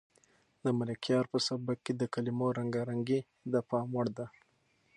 د ملکیار په سبک کې د کلمو رنګارنګي د پام وړ ده.